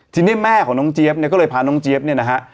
ทีนี้แม่ของน้องเจี๊ยบเนี่ยก็เลยพาน้องเจี๊ยบเนี่ยนะฮะ